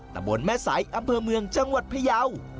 ตะบนแม่สายอำเภอเมืองจังหวัดพยาว